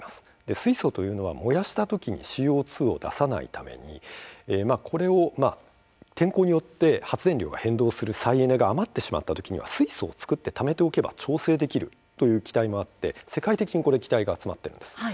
水素というのは燃やした時にＣＯ２が出さないために天候によって発電量が変動する再エネが余った時に水素を作ってためておけば調整できると世界的にも期待が集まっているんです。